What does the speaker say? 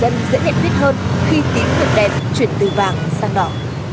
để người dân dễ nhận biết hơn khi tín hiệu đèn chuyển từ vàng sang đỏ